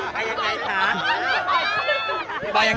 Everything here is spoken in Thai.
ไม่คือก็ไม่ได้เสียหายนะ